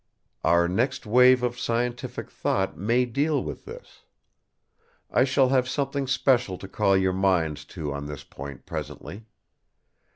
Our next wave of scientific thought may deal with this. I shall have something special to call your minds to on this point presently.